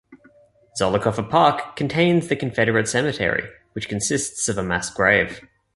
Zollicoffer Park contains the Confederate Cemetery, which consists of a mass grave.